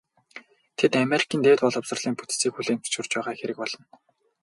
Тэд Америкийн дээд боловсролын бүтцийг хүлээн зөвшөөрч байгаа хэрэг болно.